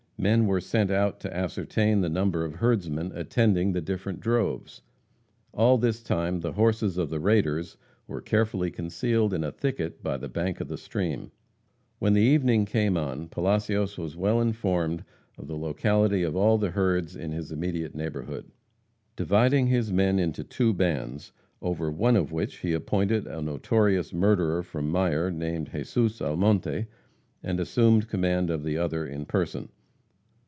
Men were sent out to ascertain the number of herdsmen attending the different droves. All this time the horses of the raiders were carefully concealed in a thicket by the bank of the stream. When the evening came on, Palacios was well informed of the locality of all the herds in his immediate neighborhood. Dividing his men into two bands, over one of which he appointed a notorious murderer from Mier, named Jesus Almonte, and assumed command of the other in person.